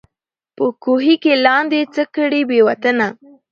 په کوهي کي لاندي څه کړې بې وطنه